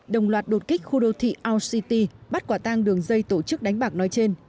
đồng loạt đột kích khu đô thị our city bắt quả tang đường dây tổ chức đánh bạc nói trên